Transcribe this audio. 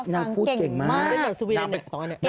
นางพูดเก่งมาก